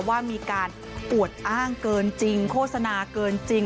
ว่ามีการอวดอ้างเกินจริงโฆษณาเกินจริง